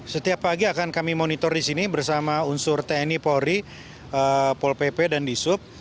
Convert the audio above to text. setiap pagi akan kami monitor di sini bersama unsur tni polri pol pp dan disub